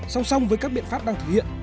song song với các biện pháp đang thực hiện